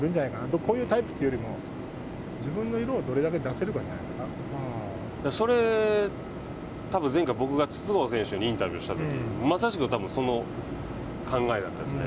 こういうタイプってよりも、自分の色をどれだけ出せるかじゃないそれ、多分前回、僕がインタビューしたときに、まさしく多分その考えだったんですね。